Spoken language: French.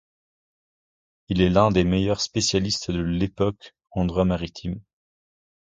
Il est l'un des meilleurs spécialistes de l'époque en droit maritime.